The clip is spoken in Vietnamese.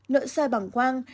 nội soi bằng quang